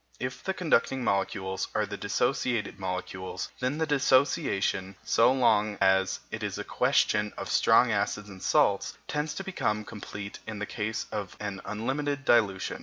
If the conducting molecules are the dissociated molecules, then the dissociation (so long as it is a question of strong acids and salts) tends to become complete in the case of an unlimited dilution.